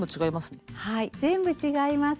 はい全部違います。